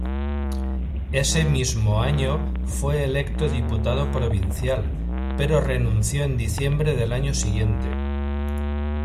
Ese mismo año fue electo diputado provincial, pero renunció en diciembre del año siguiente.